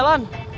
ngerit dah udah